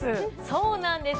そうなんです。